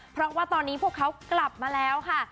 เพราะว่าตอนนี้พวกเขากลับมาแล้วค่ะ